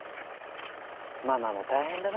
ママも大変だな。